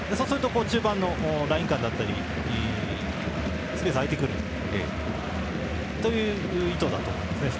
そうすると中盤のライン間だったりスペースが空いてくるという意図だと思います。